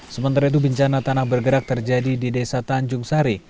sementara itu bencana tanah bergerak terjadi di desa tanjung sari